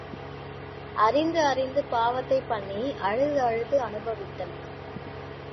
அறிந்து அறிந்து பாவத்தைப் பண்ணி அழுது அழுது அனுபவித்தல்.